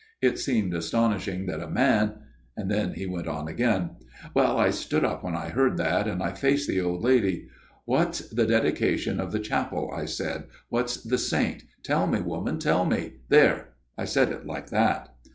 It seemed astonishing that a man Then he went on again :" Well, I stood up when I heard that, and I faced the old lady. "' What's the dedication of the chapel,' I said. ' What's the saint ? Tell me, woman, tell me !' There ! I said it like that.